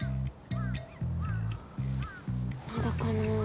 まだかなぁ。